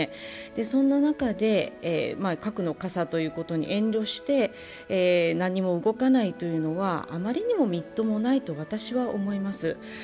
そんな中で核の傘ということに遠慮して何も動かないというのはあまりにもみっともないと私は思います。